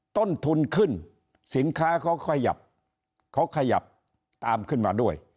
ต้นทุนขึ้นสินค้าเขาขยับเขาขยับตามขึ้นมาด้วย